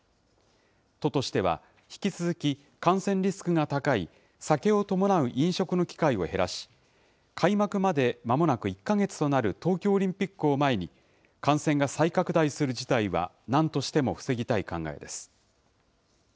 都としては、引き続き感染リスクが高い酒を伴う飲食の機会を減らし、開幕までまもなく１か月となる東京オリンピックを前に、感染が再拡大する事態はなんとしても防ぎたい考えです。